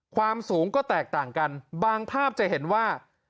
ความสูงก็แตกต่างกันบางภาพจะเห็นว่า